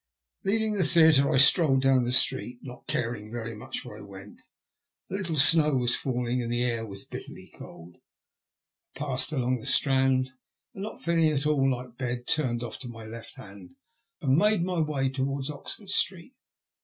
Leaving the theatre I strolled down the street, not caring very much where I went. A Uttle snow was ENGLAND ONCE MOBB. 45 falling, and the air was bitterly cold. I passed along the Strand, and not feeling at all like bed, turned off to my left hand, and made my way towards Oxford Street.